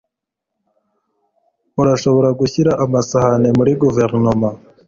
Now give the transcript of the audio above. Urashobora gushira amasahani muri guverenema?